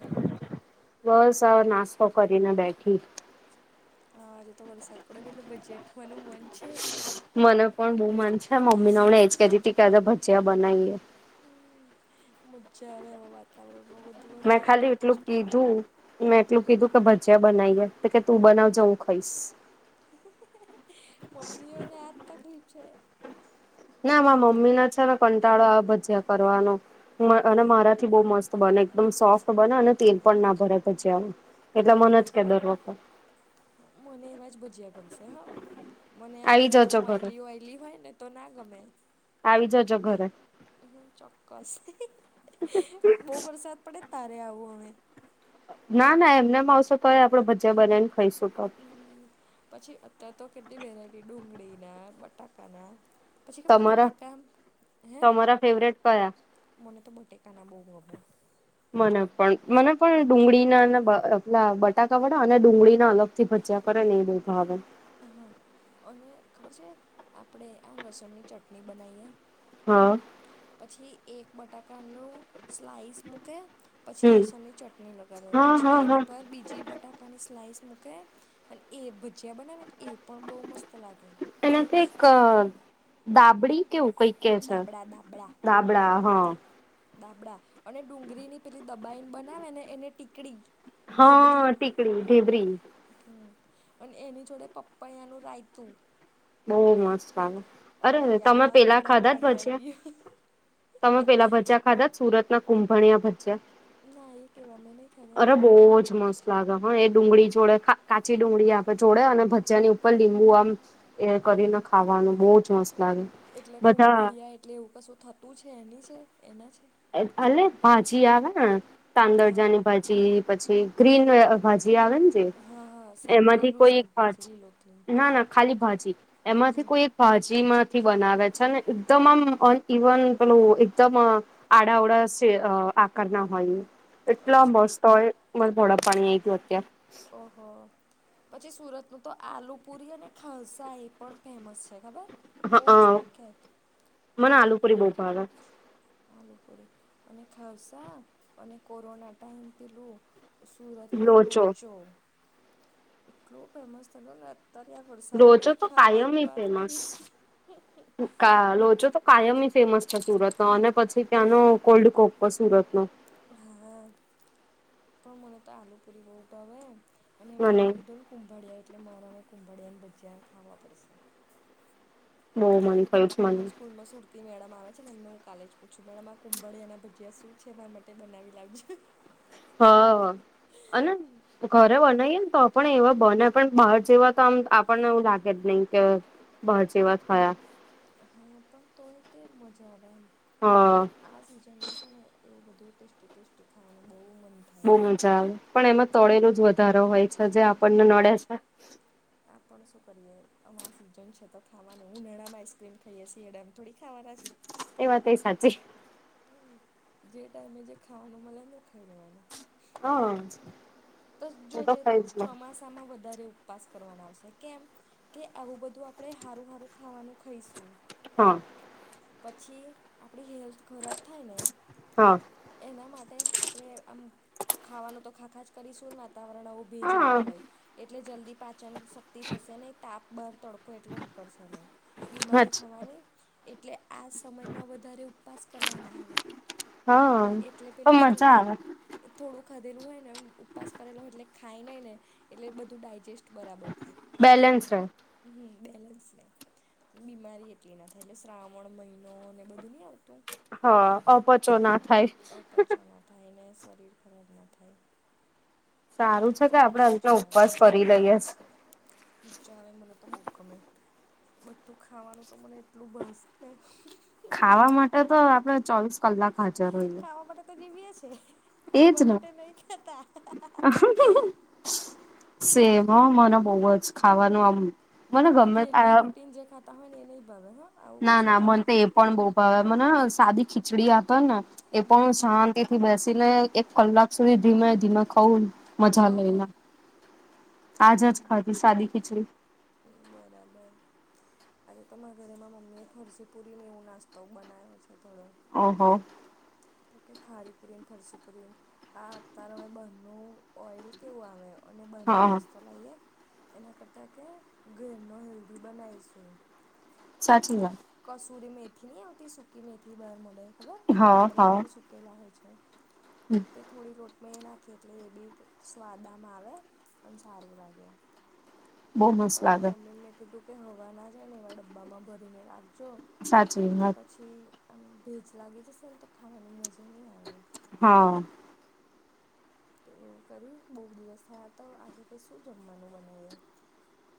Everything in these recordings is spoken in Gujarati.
હા. બસ આ નાસ્તો કરીને બેઠી હા આજે તો વરસાદ પડે ને એટલે ભજીયા ખાવાનું મન છે મને પણ બહુ મન છે મમ્મીને હમણાં એજ કેતિ હતી કે આજે ભજીયા બનાવીએ હમ્મ મજા આવે આવા વાતાવરણમાં બધું એમ ટેસ્ટી ટેસ્ટી મેં એટલું કીધું કે ભજીયા બનાવીએે તો કે તું બનાવજે હું ખાઈશ [inaudible] મમ્મીઓને આજ તકલીફ છે. ના મારા મમ્મી ના છે ને કંટાળો આવે ભજીયા કરવાનો અને મારા થી બઉ મસ્ત બને એકદમ સોફ્ટ બને અને તેલ પણ ના ભરે ભજીયા માં એટલે મને જ કે દર વખત મને એવાજ ભજીયા ગમશે હા. મને આમ એકદમ ઓઈલી ઓઈલી હોય ને તો ના ગમે આવી જજો ઘરે હમ્મ ચોક્કસ બહુ વરસાદ પડે તારે આવું હવે ના ના એમનેમ આવશે તોય આપડે ભજયા બનાઈ ને ખાઈશું તો હમ્મ પછી અત્યાર તો કેટલી વેરાયટી ડુંગળીના બટાકાના પછી ખબર બટાકા હે મને તો બટેકાના બહુ ગમે મને પણ મને પણ ડુંગળીના પેલા બટાકા વડા અને ડુંગળીના અલગ થી બચ્યા કરે ને એ બઉ ભાવે હા અને ખબર છે આપણે આ લસણની ચટણી બનાવીએ. હા. પછી એક બટાકાનું સ્લાઇસ મૂકે પછી લસણની ચટણી લગાવે પછી એની પર બીજી બટાકા ટકાની સ્લાઈસ મૂકે અને એ ભજીયા બનાવે ને એ પણ બહુ મસ્ત લાગે. એનાથી એક દાબડી કેવું કઈ કે દાબડા દાબળા. ધાબડા હા. ડાબડા અને ડુંગરીની પેલી દબાઈને બનાવે ને એને ટીકડી હા ટીકડી ઢેબરી હમ્મ અને એની જોડે પપ્પાયાનું રાયતું બહું મસ્ત આવેે અરેરે તમે પેલા ખાધા જ ભજીયા તમે પેલા ભજીયા ખાધા જ સુરતના કુંભણિયા ભજીયા ના એ કેવા મેં નહી ખાધા. બહુજ મસ્ત. લે એ ડુંગળી જોડે કાચી ડુંગળી આપે જોડે અને ભજાની ઉપર લીંબુ આમ. એ કરીને ખાવાનું બહુ જ મસ્ત લાગે. એટલે કુંભડિયા એટલે એવું કશું થતું છે એની છે એના છે. અલે ભાજી આવે ને તાંદરજાની ભાજી પછી ગ્રીન ભાજી આવે ને. એમાંથી કોઈ એક ભા ના ના ખાલી ભાજી એમાંથી કોઈ એક. ભાજી માંથી બનાવે છે ને એકદમ આમ અન ઇવન પેલું એકદમ આડા ઉડા આકાર ના હોય એટલા મસ્ત હોય. મ થોડડા પાણી એયું અત્યારે ઓહ. પછી સુરતનું તો આલુ પુરી અને ખાલસા એ પણ ફેમસ છે ખબર બહુ જ પ્રખ્યાત આલુ પુરી. આલુ પુરી અને ખાવશ અને કોરોના ટાઈમ પેલું સુરતનો લોચો એટલોું ફેમસ થયોને અત્યારે આ વરસાદ પડે ખાવાની વાત કરી છે. હા લોજો તો. કાયમી ફેમસ છે સુરત ન અને પછી ત્યાંનો કોલ્ડ કોક સુરત નુ. હા આપ મને તો આલુ પુરી બુ ભાવે. અને હવેં કીધું ને કુંભળિયા એટલે મારે કુંભાળિયાની ભજીયા ખાવા પડશે. બહુ મન થયુ છે. મને સ્કૂલમાં સુટ. મેડમ આવે છે ને એમને હું કાલેજ પૂછું મેડમ આ કુંભળિયાના ભજીયા શું છે મારા માટે બનાવી લાવજે. હા અને. ઘરે બનાએ ને તો પણ એવા બને પણ બહાર જેવા તો આમ આપણને એવું લાગે જ નહી કે. બહાર જેવા ખાયા. પણ તોય તે મજા આવે એમ. હા. આ સિઝનમાં છે ને એવું બધું ટેસ્ટી ટેસ્ટી ખાવાનું બહુ મન થાય. બહુ મજા આવે પણ એમાં તળેલો જ વધારો હોય છે. હમ. આપ શું કરીએ આ આ સિઝન છે તો ખાવાનું હું નાણામાં આઈસક્રીમ ખાઈએ છી એડામ થોડી ખાવાના છે. એ વાત એ સાચી. જે ટાઈમે જે ખાવાનું મલા ન ખાઈ રહેવાનું. હા. જોજે તો ચોમાસામાં વધારે ઉપવાસ કરવાના આવશે કેમ. કે આવું બધું આપણે હારું હારું ખાવાનું ખાઈશું. હા. પછી આપડી હેલ્થ ખરાબ થાય ને. હા. એના માટે આપણે આમ ખાવાનું તો ખાખા જ કરીશું ને વાતાવરણ આવું ભેજ વાળું હોય એટલે જલ્દી પાચન શક્તિ થશે ને તાપ બહાર તડકો એટલો નીકળશે ને બીમારી થવાની એટલે આ સમયમાં વધારે ઉપવાસ કરવાના આવે એટલે પેલું શું કે. થોડું ખધેલું હોય ને એ ઉપવાસ કરેલો હોય એટલે ખાય નહીં ને. એટલે બધું ડાયજેસ્ટ બરાબર થાય. બેલેન્સ રહે. હમ બેલેન્સ ન બીમારી એટલી ના થાય એટલે. શ્રાવણ મહિનો બધું નહિ આવતું. હા અપચો ના થાય અપચો ના થાય ને શરીર ખરાબના થાય સારું છે, કે આપડે આ રીતના ઉપવાસ કરી લઈએ મજા આવે મને તો બો ગમે બધું ખાવાનું તો મને એટલું ભાવશે ખાવા માટે તો આપડે ચોવીસ કલાક હાજર હોઈએ આવડે તો જીવીય છે, જીવવા માટે નહી ખાતા [inaudible] સેમ મને બોવ જ ખાવાનું આમ મને ગમે આ તા હેને ભાવે હ ના ના મને તો એ પણ બો ભાવ મને સાદી ખીચડી હતો ને એ પણ શાં તેથી બેસીને એક કલાક સુધી ધીમે ધીમે ખઉ મજા લેઈને આજ જ ખાધી સાદી ખીચડી બરાબર આજે તો મા ઘરેમાં મમ્મીએ ફરજીપુરીને એવો નાસ્તો બનાવ્યો છે, થોડો ઓહો તોકે ખારી પુરીન ફરશી પુરીન આ અતાર હવે બંધનું ઓઈલ કેવું આવે અને બાર ન નાસ ચલાઈએ એના કરતાં કે ઘેરનો હેલ્ધી બનાવીશું તપેલી કસૂરી મેથી ની આવતી સુકી મેથી બહાર મલે ખબર પાંદડા પણ સુકેલા હોય છે. હમ. એ થોડી લોટમે એ નાખી એટલે એ બી સ્વાદામાં આવે પણ સારું લાગે પણ મા મમ્મી ને મે કીધું કે હવા ના જાય ને એવા ડબ્બામાં ભરીને રાખજો કેમ કે પછી એમ ભેજ લાગે છે, સમ તો ખાવાનું મજા ની આવે હા. તે એવું કર્યું બોવ દિવસ થયા તો આજે કે શું જમવાનું બનાવીએ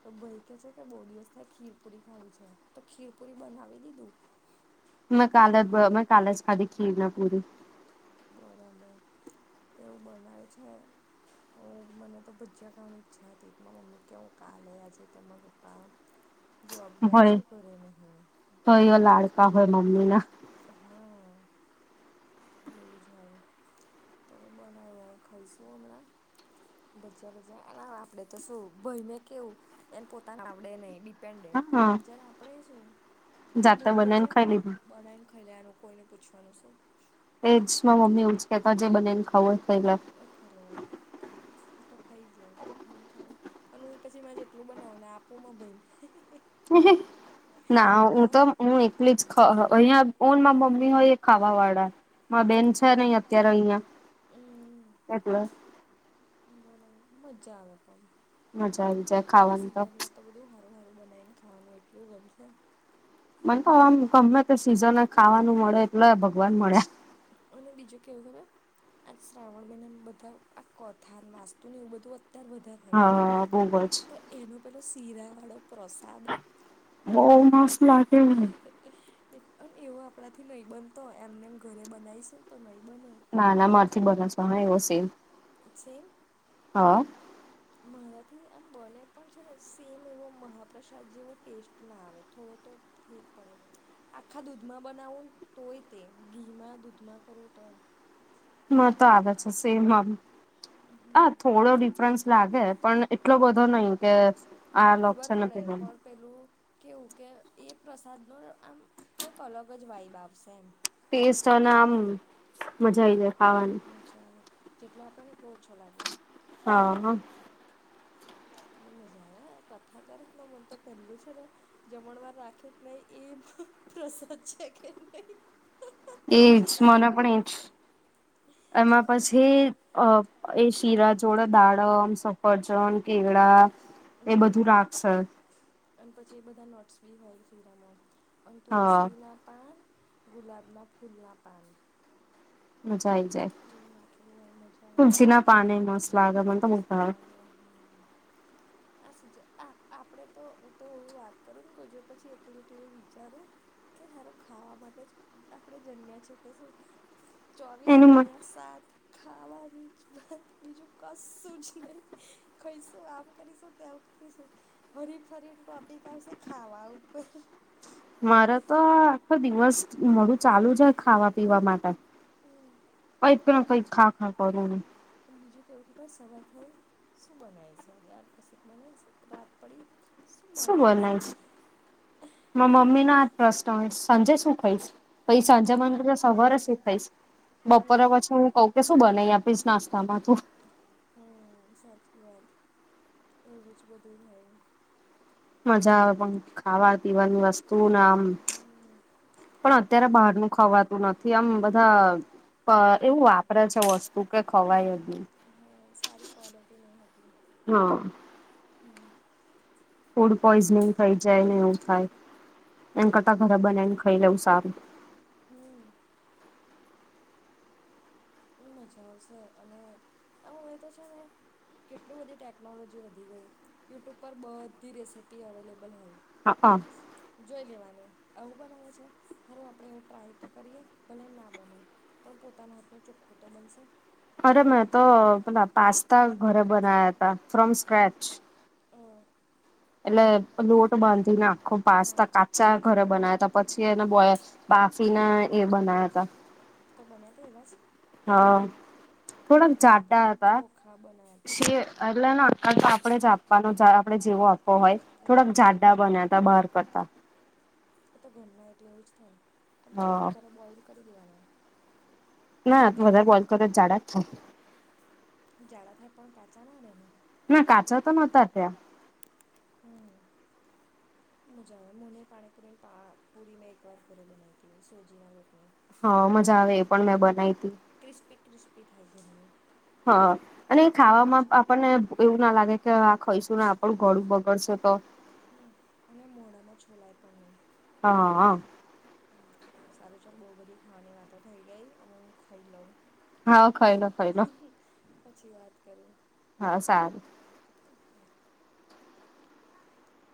તો ભાઈ કે છે, કે બો દિવસ થ ખીર પુરી ખાવી છે, તો ખીર પુરી બનાવી દીધું મે કાલજ મેં કલેજ ખાધી ખીરને પૂરી બરાબર તેવું બનાવ છે. મને તો ભજીયા ખાવાની ઈચ્છા હતી મા મમ્મી કેવ કાલે છે તોરા પપ્પા જોબ ગયા છે, ઘરે નહી [inaudible] હા. એવું જ હોય તમે બનાવો હવે ખઈશું હમણાં ભજ્યા ભજયા એના આપડે તો શું ભય ને કેવું એને પોતાને આવડે નહી પેન્ડેડ જ્યારે આપણે શું મન ભજયા ખાવા બનાવીને ખાઈ લેયાવાનું કોઈને પૂછવાનું શું એ જ માં મમ્મી એવુ જ કેતા જે બનેન ખાવું એ ખાય લે એ ખાઈ લેવાનુ ખાઈ જ લઉ મન ખાવુ અનુ પછી મા જેટલું બનાવુંને આપું ભાઈને હ ના હું તો હું એલી જ અહંયા ઓન મમ્મી હોય એ ખાવા વાળા મા બેન છે ને અત્યારે અહિયા એટલે બ મજા આવે પણ મજા આવી જાય ખાવાની તો તો બધું સારું સારું બનાવી ને ખાવાનું એટલું ગમશે મને તો આમ ગમે તે સિઝને ખાવાનું મળે એટલે ભગવાન મળ્યા અને બીજું કેવું હવે આ શ્રાવણ મહિના બધા આ કથા વાસ્તુ ને એવું બધું અત્યારે વધારે ખબર તો એનો પેલો શીરા વાળો પ્ર સાબ ઓ હો હો અને એવો આપણાથી નહીં બનતો એમને એમ ઘરે બનાવીશું ને તો નહીં બને ના ના મારથી બને સે એવો સેમ છે એમ હ હા મારાથી આમ બને પણ છે ને સેમ એવો મહાપ્રસાદ જેવો ટેસ્ટ ના આવે થોડો તો ફેર પડે આખા દૂધમાં બનાવું તોય તે ઘીમાં દૂધમાં કરું તોય માતો આદત છે સેમ હ થોડો ડિફરન્સ લાગે પણ એટલો બધો નહી કે આ અલગ છે ને પેલો પેલું કેવું કે એ પ્રસાદનો આમ કંઈક અલગ જ વાઈબ આવશે એમ ટેસ્ટ અને આમ મજા આવીઈ જાય ખાવાની જેટલો આપે ને એટલો ઓછો લાગે હા ના મજા આવે કથા કરે ના મન તો પહેલું છે જમણવાર રાખ્યું નહી એ પ્રસાદ છે કે નહી એજ મને પણ એજ એમાં પછી અ એ શિરાજ જોડે દાડમ સફરજન કેવડા એ બધું રાખશે અને પછી એ બધા નોટ્સ બી હોય જીરામાં અને તુલસી ના પાન ગુલાબના ફૂલના પાન લ નાખેલું મજા લે મસ્ત લાગે હા આ આપડે તો હું તો વાત કરું ને કોઈ જો પછી એકલી એકલી એવું વિચારું કે સારું ખાવા માટે જ આપણે જન્મયા કે શું ચોવીસ ગુણ્યા સાત ખાવાની જ વાત બીજું કશું જ નહીં ખયશું આ કરીશું ત્યાં ફરી ફરી ટોપિક આવશે ખાવા ઉપર મારે તો આખો દિવસ મોડું ચાલુ જ ખાવા પીવા માટે કઈ પણ કઈક ખા ખા કરું નહી અને બીજું કેવુ કે સવાર થયું શું બનાવીશું હજ આ કશું બનાવીશું રાત પડી શું બનાયશ હવે મા મમ્મી નો આજ પ્રશ્ન હોય સંજય શું ખાઈશ પછી સંજય મને તો સવારે શીખાઈશ બપોરે પછી હું કઉ કે શું બને આપી નાસ્તા માં તું હમ્મ સાચી વાત એવું જ બધું હોયે મજા આવે પણ ખાવા પીવાની વસ્તુ ના આમ પણ અત્યારે બહારનું ખાવાતું નથી આમ બધા એવું વાપરે છે વસ્તુ કે ખવાય એબી હા સારી ક્વલિટી નહી હકી હા હમ્મ ફૂડ પોઈઝનિંગ થઈ જાય ને એવું થાય એમ કરતા ઘરે બનાને ખાઈ લેવું સારું. હમ. મજા આવશે અને આમ એ તો છે ને કેટલુ બધી ટેક્નોલોજી વધી ગઈ યુટ્યુબ પર બધી રેસીપી અવેલેબલ હોય હા હ જોઈ લેવાનીઈ આવું બનાવે છે હારું આપણે એવું ટ્રાય તો કરીએ ભલે ના બને પણ પોતાના હાથ ન ચોખ્ખું તો બનશે. અરે મેં તો પેલા પાસ્તા ઘરે બના્યા ત ફ્રોમ સ્કચ. હ. એટલે લોટ બાંધીને આખો પાસ્તા કાચા ઘરે બના. બ પછી એને બાફીના એ બના્યા હતા. તો બને્યા તો એવા જ. હા થોડાક જાડા હતા શ એટલા ના. કારણ કે આપણે જ આપવાનો આપણે જેવો આપવો હોય થોડાક જાડા બન્યાતા બહાર કરતા. એ તો ઘરના એટલે એવું જ થાય પણ થોડા વધારે બોઇલ કરી દેવાનામ. ના વધારે બોલ કરો જ જાડા જ છ. તું જાાડા થાય પણ કાચા ના રે ને. ના કાચો તો નહોતા ત્યાં. હમ. મજા આવે મુને પાણીપુરી પૂરી મેં એક વાર ઘરે બનાઈ હતીી સોજીના રકની. હા મજા આવે એ પણ મેં બનાવી હતી. ક્રિસ્પી ક્રિસ્પી થાય ઘરની. હા અને એ ખાવામાં આપણને. તો એવું ના લાગે કે આ ખાઈશું ને આપણું ઘડું બગડશે તો. હમ અને મોડામાં છોલાય પણ નહી. હા. સારું ચાલ બહુ બધી ખાવાની વાતો થઇ ગઈ હું ખાઈ લઉં. હા ખાઈલો ખાઈલો. પછી વાત કરું. હા સારું. હક. હ.